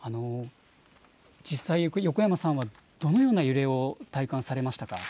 実際、横山さんはどのような揺れを体感されましたか。